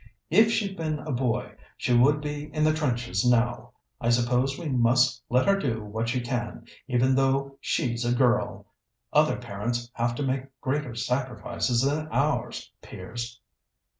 "If she'd been a boy she would be in the trenches now. I suppose we must let her do what she can, even though she's a girl. Other parents have to make greater sacrifices than ours, Piers."